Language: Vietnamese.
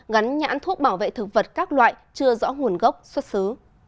gắn nhãn thuốc bảo vệ thực vật các loại chưa rõ nguồn gốc xuất xứ